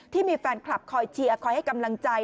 ที่มีแฟนคลับคอยเชียร์คอยให้กำลังใจ